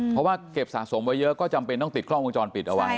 เพราะว่าเก็บสะสมไว้เยอะก็จำเป็นต้องติดกล้องวงจรปิดเอาไว้